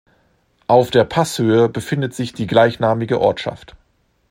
Auf der Passhöhe befindet sich die gleichnamige Ortschaft.